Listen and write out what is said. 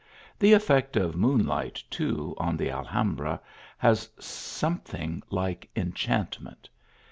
The effect of moonlight, too, on the Alhambra has something like enchantment.